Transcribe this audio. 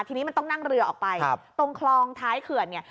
ทีนี้มันต้องนั่งเรือออกไปตรงคลองท้ายเขื่อนเนี่ย